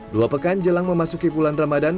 dua pekan jelang memasuki bulan ramadan